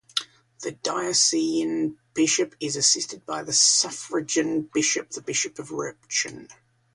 The diocesan bishop is assisted by the suffragan bishop, the bishop of Repton.